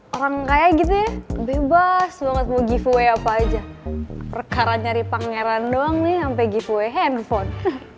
orang kaya gitu ya bebas banget mau giveaway apa aja rekaran nyari pangeran doang nih sampe giveaway handphone